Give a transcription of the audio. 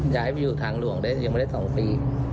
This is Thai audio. อยู่ทางหลวงได้ยังไม่ได้๒ปี